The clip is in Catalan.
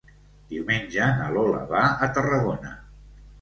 Diumenge na Lola va a Tarragona.